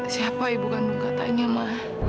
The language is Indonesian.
siapa ibu kan nunggu katanya ma